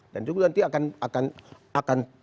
dan juga nanti akan